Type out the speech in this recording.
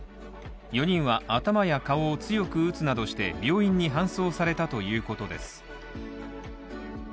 ４人は頭や顔を強く打つなどして病院に搬送されたということです。